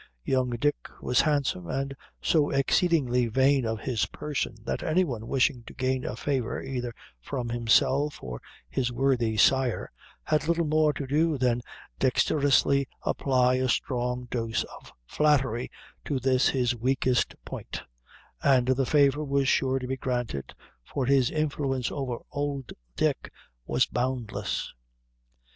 Young Dick was handsome, and so exceedingly vain of his person, that any one wishing to gain a favor either from himself or his worthy sire, had little more to do than dexterously apply a strong dose of flattery to this his weakest point, and the favor was sure to be granted, for his influence over old Dick was boundless.